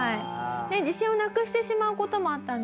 自信をなくしてしまう事もあったんですよね？